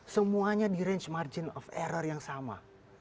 semuanya di range margin of error yang sama